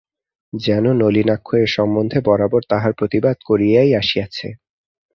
যেন নলিনাক্ষ এ সম্বন্ধে বরাবর তাঁহার প্রতিবাদ করিয়াই আসিয়াছে।